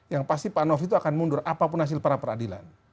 yang pasti pak novi itu akan mundur apapun hasil para peradilan